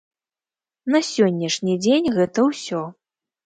На сённяшні дзень гэта ўсё.